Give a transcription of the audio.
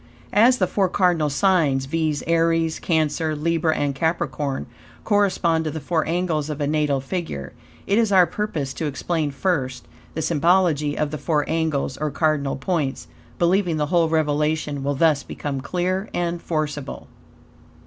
As the four cardinal signs, viz., Aries, Cancer, Libra and Capricorn, correspond to the four angles of a natal figure, it is our purpose to explain, first, the symbology of the four angles, or cardinal points; believing the whole revelation will thus become clear and forcible.